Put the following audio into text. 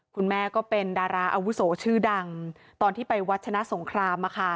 ที่เป็นดาราอาวุโสชื่อดังตอนที่ไปวัฒนะสงคราม